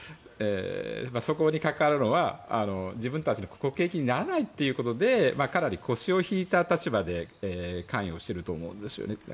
そこに関わるのは自分たちの国益にならないということでかなり腰を引いた立場で関与していると思うんですよね。